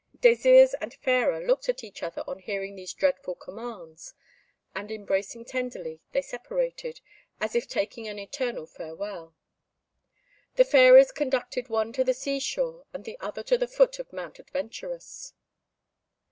Désirs and Fairer looked at each other on hearing these dreadful commands, and, embracing tenderly, they separated, as if taking an eternal farewell. The fairies conducted one to the sea shore and the other to the foot of Mount Adventurous.